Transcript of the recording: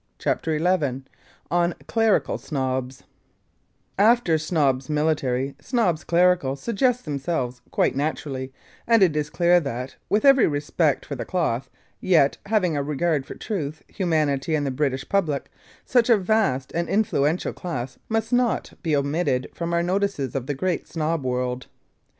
CHAPTER XI ON CLERICAL SNOBS After Snobs Military, Snobs Clerical suggest themselves quite naturally, and it is clear that, with every respect for the cloth, yet having a regard for truth, humanity, and the British public, such a vast and influential class must not be omitted from our notices of the great Snob world.